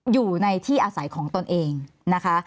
อยู่ในที่อาศัยของตนเองนะคะ